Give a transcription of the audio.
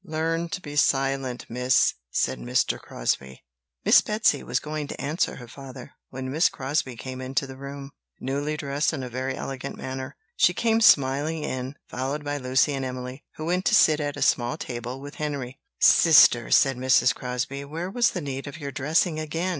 "Learn to be silent, miss!" said Mr. Crosbie. Miss Betsy was going to answer her father, when Miss Crosbie came into the room, newly dressed in a very elegant manner. She came smiling in, followed by Lucy and Emily, who went to sit at a small table with Henry. "Sister," said Mrs. Crosbie, "where was the need of your dressing again?